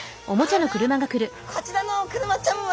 あらこちらのお車ちゃんは！